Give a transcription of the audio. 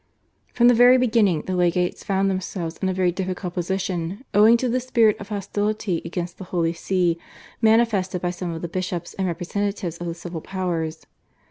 From the very beginning the legates found themselves in a very difficult position owing to the spirit of hostility against the Holy See manifested by some of the bishops and representatives of the civil powers.